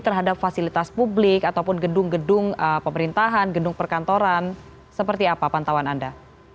terhadap fasilitas publik ataupun gedung gedung pemerintahan gedung perkantoran seperti apa pantauan anda